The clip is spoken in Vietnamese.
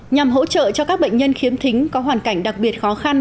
nhằm hỗ trợ cho các bệnh nhân khiếm thính có hoàn cảnh đặc biệt khó khăn